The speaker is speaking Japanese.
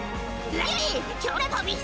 何？